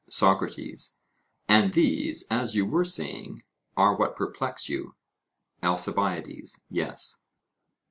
SOCRATES: And these, as you were saying, are what perplex you? ALCIBIADES: Yes.